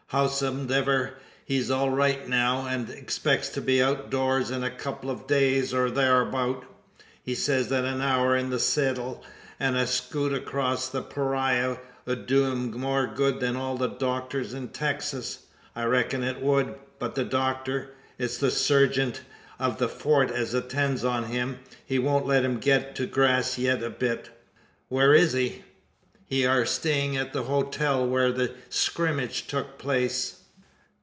Howsomdever, he's all right now; an expecks to be out o' doors in a kupple o' days, or tharabout. He sez that an hour in the seddle, an a skoot acrosst the purayra, 'ud do him more good than all the docters in Texas. I reckon it wud; but the docter it's the surgint o' the Fort as attends on him he won't let him git to grass yit a bit." "Where is he?" "He air stayin' at the hotel whar the skrimmage tuk place."